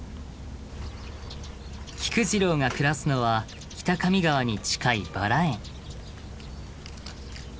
菊次郎が暮らすのは北上川に近いバラ園。